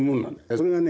それをね